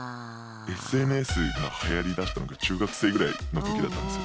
ＳＮＳがはやりだしたのが中学生ぐらいの時だったんですよ。